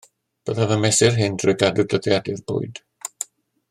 Byddaf yn mesur hyn trwy gadw dyddiadur bwyd